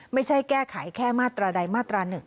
ไม่ใช่แก้ไขแค่มาตราใดมาตรา๑